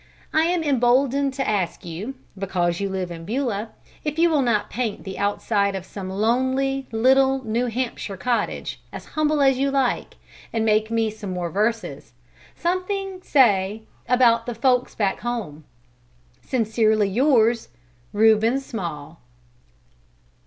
I am emboldened to ask you (because you live in Beulah) if you will not paint the outside of some lonely, little New Hampshire cottage, as humble as you like, and make me some more verses; something, say, about "the folks back home." Sincerely yours, REUBEN SMALL.